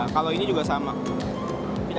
kalau ini juga kompor biasa